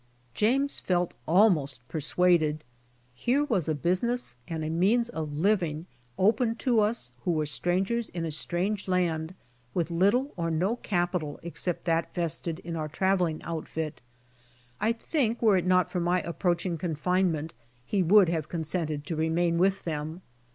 James felt almost persuaded. Here was a busi ness and a means of living opened to us who were strangers in a strange land with little or no capital except that (Vested in our traveling outfit. I think were it not for my approaching confinement he would have consented to remain with them.